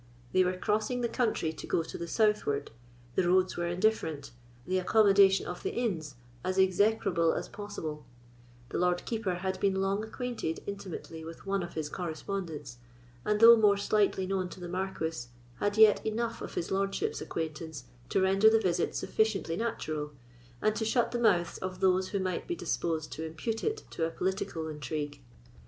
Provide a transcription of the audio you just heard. They were crossing the country to go to the southward; the roads were indifferent; the accommodation of the inns as execrable as possible; the Lord Keeper had been long acquainted intimately with one of his correspondents, and, though more slightly known to the Marquis, had yet enough of his lordship's acquaintance to render the visit sufficiently natural, and to shut the mouths of those who might be disposed to impute it to a political intrigue.